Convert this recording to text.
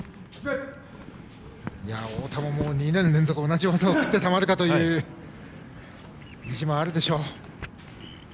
太田も２年連続同じ技を食ってたまるかという意地もあるでしょう。